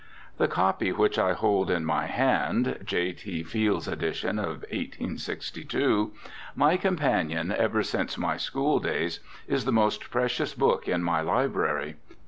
The copy which I hold in my hand (J. T. Fields's edition of 1862), my companion ever since my schooldays, is the most precious book in my library.